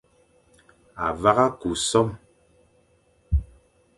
A vagha ku som,